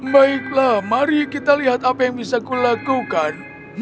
baiklah mari kita lihat apa yang bisa kulakukan